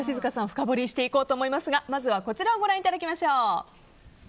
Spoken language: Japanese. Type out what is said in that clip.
深掘りしていこうと思いますがまずはこちらをご覧いただきましょう。